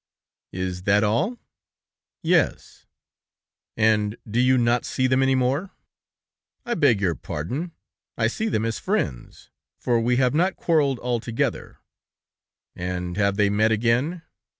"Is that all?" "Yes." "And you do not see them any more?" "I beg your pardon. I see them as friends, for we have not quarreled altogether." "And have they met again?"